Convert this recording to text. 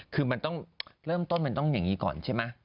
คือมันต้องเริ่มต้นมันต้องอย่างนี้ก่อนใช่ไหม